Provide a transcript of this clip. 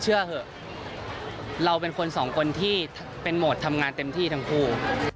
เชื่อเถอะเราเป็นคนสองคนที่เป็นโหมดทำงานเต็มที่ทั้งคู่